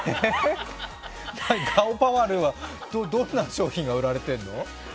がおぱわるぅはどんな商品が売られてるの？